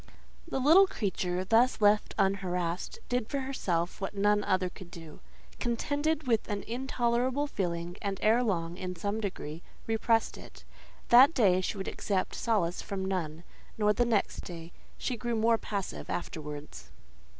The little creature, thus left unharassed, did for herself what none other could do—contended with an intolerable feeling; and, ere long, in some degree, repressed it. That day she would accept solace from none; nor the next day: she grew more passive afterwards.